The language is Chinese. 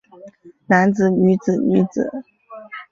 男子女子女子